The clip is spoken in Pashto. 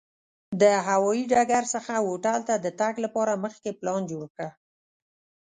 د هوایي ډګر څخه هوټل ته د تګ لپاره مخکې پلان جوړ کړه.